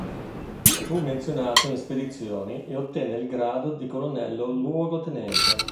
Fu menzionato in spedizioni e ottenne il grado di colonnello luogotenente.